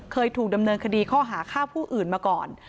เคยถูกดำเนินคดีข้อหาฆ่าผู้อื่นมาก่อน